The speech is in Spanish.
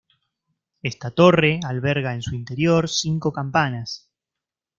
Esta torre alberga en su interior cinco campanas.